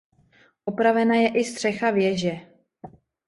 Opravena je i střecha věže.